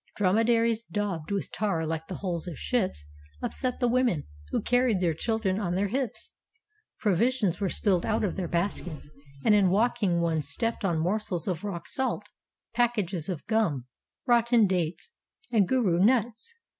Drome daries, daubed with tar like the hulls of ships, upset the women who carried their children on their hips. Provi sions were spilled out of their baskets; and in walking one stepped on morsels of rock salt, packages of gum, rotten dates, and gourou mits.